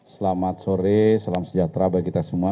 selamat sore salam sejahtera bagi kita semua